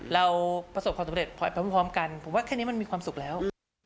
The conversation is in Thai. เราประสบความสำเร็จไปพร้อมกันผมว่าแค่นี้มันมีความสุขแล้ว